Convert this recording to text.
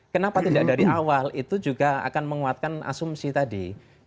kenapa tidak dari awal itu juga akan menguatkan asumsi tadi